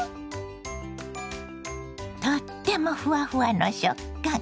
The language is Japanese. とってもふわふわの食感！